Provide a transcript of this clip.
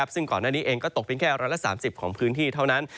ซึ่งก่อนหน้านี้เองก็ตกเป็นแค่๑๓๐ของพื้นที่เท่านั้น